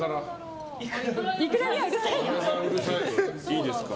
いいですか。